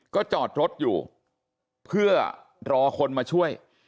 ก็จอดรถอยู่เพื่อรอคนมาช่วย